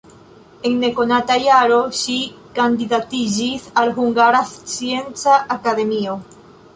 En nekonata jaro ŝi kandidatiĝis al Hungara Scienca Akademio.